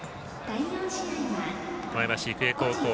前橋育英高校